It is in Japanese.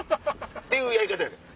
っていうやり方やねん。